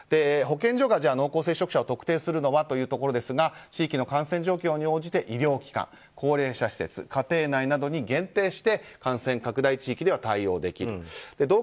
保健所が濃厚接触者を特定するのはというところですが地域の感染状況に応じて医療機関高齢者施設家庭内などに限定して感染拡大地域では対応できる。